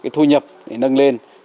thu nhập nâng lên